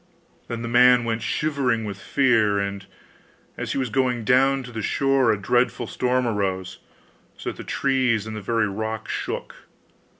Then the man went shivering with fear; and as he was going down to the shore a dreadful storm arose, so that the trees and the very rocks shook.